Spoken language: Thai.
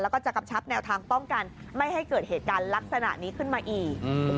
แล้วก็จะกำชับแนวทางป้องกันไม่ให้เกิดเหตุการณ์ลักษณะนี้ขึ้นมาอีก